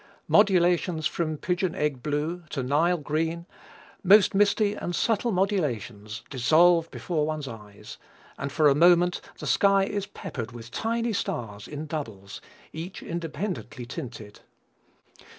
Modulations from pigeon egg blue to Nile green, most misty and subtle modulations, dissolve before one's eyes, and for a moment the sky is peppered with tiny stars in doubles, each independently tinted.